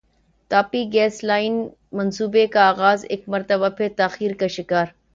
Tapi gas pipeline منصوبے کا اغاز ایک مرتبہ پھر تاخیر کا شکار